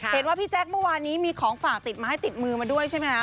พี่แจ๊คเมื่อวานนี้มีของฝากติดไม้ติดมือมาด้วยใช่ไหมคะ